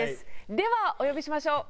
ではお呼びしましょう。